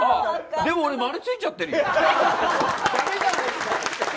でも俺、丸ついちゃってるよ。